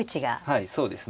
はいそうですね。